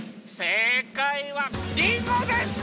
せいかいはリンゴでした！